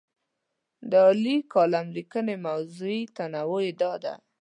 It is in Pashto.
د عالي کالم لیکنې موضوعي تنوع یې دا دی.